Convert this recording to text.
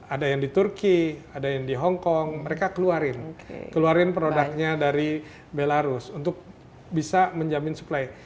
ada yang di turki ada yang di hongkong mereka keluarin keluarin produknya dari belarus untuk bisa menjamin supply